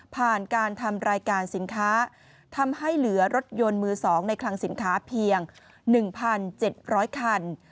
ผ่านการทำรายการสินค้าทำให้เหลือรถยนต์มือ๒ในคลังสินค้าเพียง๑๗๐๐คัน